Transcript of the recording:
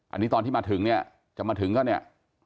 อันนี้ตอนที่มาถึงเนี่ยจะมาถึงก็เนี่ย